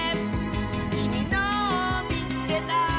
「きみのをみつけた！」